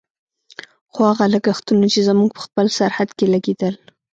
خو هغه لګښتونه چې زموږ په خپل سرحد کې لګېدل.